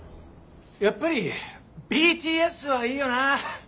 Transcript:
やっぱりＢＴＳはいいよな。